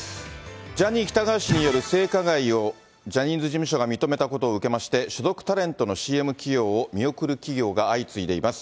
ジャニー喜多川氏による性加害をジャニーズ事務所が認めたことを受けまして、所属タレントのＣＭ起用を見送る企業が相次いでいます。